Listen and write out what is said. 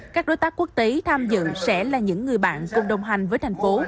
các đối tác quốc tế tham dự sẽ là những người bạn cùng đồng hành với thành phố